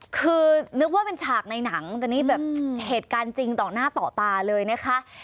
คือนึกว่าเป็นฉากในหนังแต่นี่แบบเหตุการณ์จริงต่อหน้าต่อตาเลยนะคะ